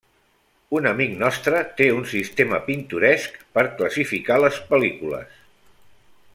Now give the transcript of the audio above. Un amic nostre té un sistema pintoresc per classificar les pel·lícules.